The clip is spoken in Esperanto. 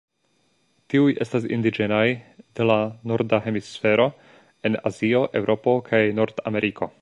Tiuj estas indiĝenaj de la Norda Hemisfero en Azio, Eŭropo kaj Nordameriko.